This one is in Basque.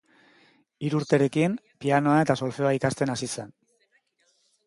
Hiru urterekin pianoa eta solfeoa ikasten hasi zen.